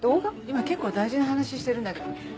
今結構大事な話してるんだけど。